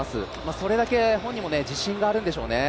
それだけ本人も自信があるんでしょうね。